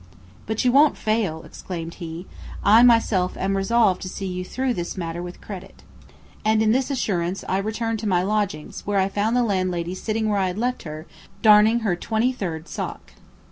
"But you won't fail," exclaimed he. "I myself am resolved to see you through this matter with credit." And in this assurance I returned to my lodgings where I found the landlady sitting where I had left her, darning her twenty third sock.